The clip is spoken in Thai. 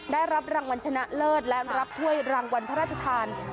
ได้รับรางวัลชนะเลิศและรับถ้วยรางวัลพระราชทาน